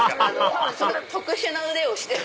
特殊な腕をしてる。